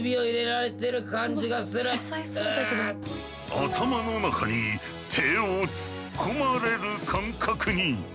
頭の中に手を突っ込まれる感覚に。